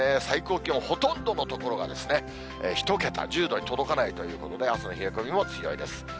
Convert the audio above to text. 最高気温、ほとんどの所が１桁、１０度に届かないということで、朝の冷え込みも強いです。